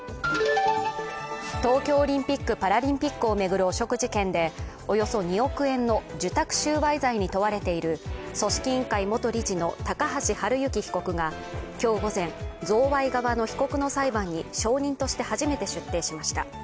東京オリンピック・パラリンピックを巡る汚職事件でおよそ２億円の受託収賄罪に問われている組織委員会元理事の高橋治之被告が今日午前、贈賄側の被告の裁判に証人として初めて出廷しました。